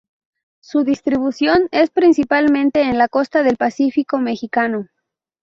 Su distribución es principalmente en la costa del Pacífico mexicano.